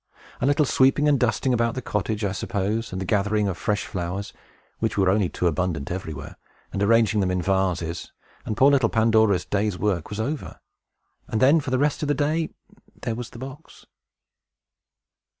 A little sweeping and dusting about the cottage, I suppose, and the gathering of fresh flowers (which were only too abundant everywhere), and arranging them in vases, and poor little Pandora's day's work was over. And then, for the rest of the day, there was the box!